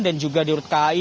dan juga di urut kai